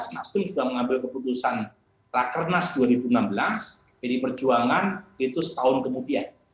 dua ribu sembilan belas mas tim sudah mengambil keputusan rakernas dua ribu enam belas jadi perjuangan itu setahun kemudian